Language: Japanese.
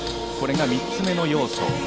これが３つ目の要素。